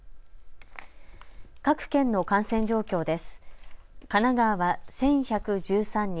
各県の感染状況です。